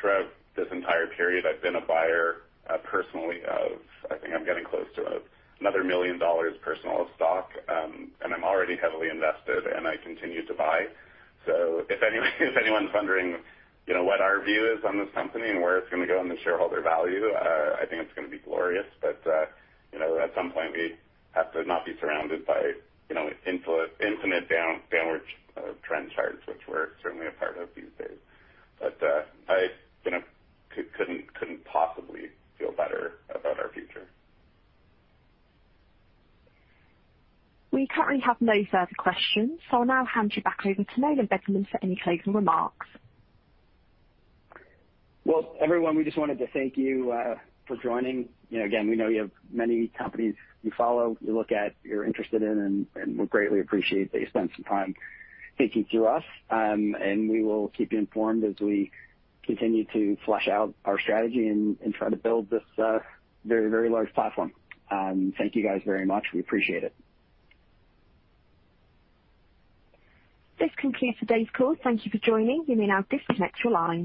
[SPEAKER 4] throughout this entire period, I've been a buyer, personally of I think I'm getting close to another 1 million dollars personal of stock, and I'm already heavily invested, and I continue to buy. If anyone, if anyone's wondering, you know, what our view is on this company and where it's gonna go in the shareholder value, I think it's gonna be glorious. You know, at some point we have to not be surrounded by, you know, infinite downward trend charts, which we're certainly a part of these days. I, you know, couldn't possibly feel better about our future.
[SPEAKER 1] We currently have no further questions. I'll now hand you back over to Nolan Bederman for any closing remarks.
[SPEAKER 3] Well, everyone, we just wanted to thank you for joining. You know, again, we know you have many companies you follow, you look at, you're interested in, and we greatly appreciate that you spent some time thinking through us. We will keep you informed as we continue to flesh out our strategy and try to build this very, very large platform. Thank you guys very much. We appreciate it.
[SPEAKER 1] This concludes today's call. Thank you for joining. You may now disconnect your lines.